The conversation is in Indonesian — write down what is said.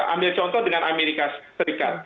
ambil contoh dengan amerika serikat